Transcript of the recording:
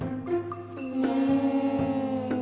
うん。